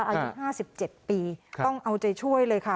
อายุ๕๗ปีต้องเอาใจช่วยเลยค่ะ